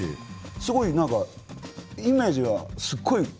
すごいイメージはすっごい